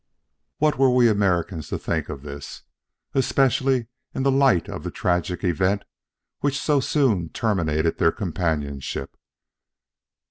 What were we Americans to think of this, especially in the light of the tragic event which so soon terminated this companionship.